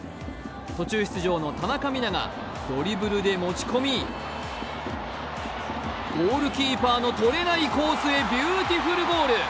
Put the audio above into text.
途中出場の田中美南がドリブルで持ち込みゴールキーパーのとれないコースへビューティフルゴール。